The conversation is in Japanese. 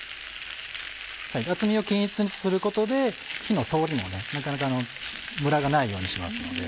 厚みを均一にすることで火の通りもなかなかムラがないようにしますので。